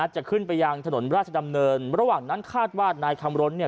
จะขึ้นไปยังถนนราชดำเนินระหว่างนั้นคาดว่านายคำรณเนี่ย